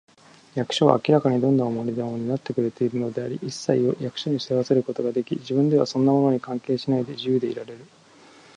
役所は明らかにどんな重荷でも担ってくれているのであり、いっさいを役所に背負わせることができ、自分ではそんなものに関係しないで、自由でいられる